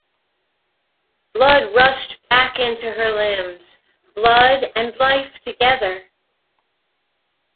Blood rushed back into her limbs, blood and life together.